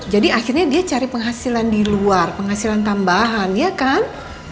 jadi akhirnya dia cari penghasilan di luar penghasilan tambahan ya kan